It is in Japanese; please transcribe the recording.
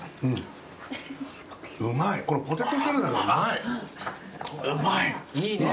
うまい！